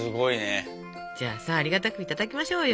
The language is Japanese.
じゃあさありがたくいただきましょうよ。